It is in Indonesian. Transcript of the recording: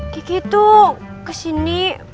kiki tuh kesini